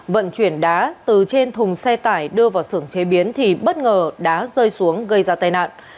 vận chuyển đá từ trên thùng xe tải đưa vào sưởng chế biến thì bất ngờ đá rơi xuống gây ra tai nạn